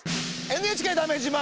「ＮＨＫだめ自慢」